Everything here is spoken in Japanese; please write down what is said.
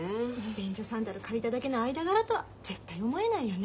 便所サンダル借りただけの間柄とは絶対思えないよね。